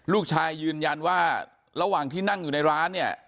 ยืนยันว่าระหว่างที่นั่งอยู่ในร้านเนี่ย